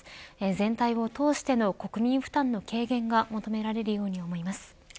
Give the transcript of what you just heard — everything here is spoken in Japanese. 全体を通しての国民負担の軽減が求められるように思います。